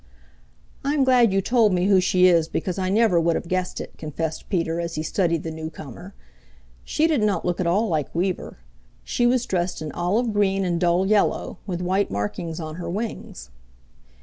"I'm glad you told me who she is because I never would have guessed it," confessed Peter as he studied the newcomer. She did not look at all like Weaver. She was dressed in olive green and dull yellow, with white markings on her wings.